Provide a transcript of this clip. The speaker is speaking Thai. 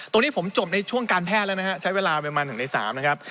ตอนนี้ประทำงานการแพทย์แล้วก็ใช้เวลามา๑นึงใน๓นะครับ